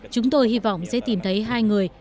chúng tôi hy vọng sẽ tìm thấy hai người